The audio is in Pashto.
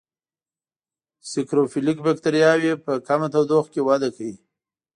سیکروفیلیک بکټریاوې په کمه تودوخه کې وده کوي.